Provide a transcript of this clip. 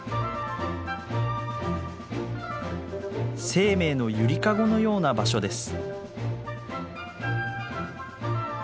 生命の揺りかごのような場所です。